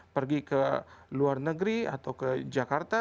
pergi ke luar negeri atau ke jakarta